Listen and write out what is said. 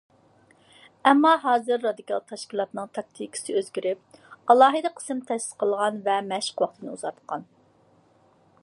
ئەمما ھازىر رادىكال تەشكىلاتنىڭ تاكتىكىسى ئۆزگىرىپ، ئالاھىدە قىسىم تەسىس قىلغان ۋە مەشىق ۋاقتىنى ئۇزارتقان.